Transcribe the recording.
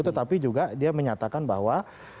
tetapi juga dia menyatakan bahwa